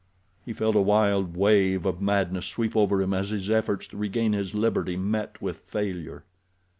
He felt a wild wave of madness sweep over him as his efforts to regain his liberty met with failure.